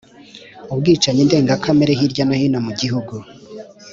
Ubwicanyi ndenga kamere hirya no hino mu gihugu,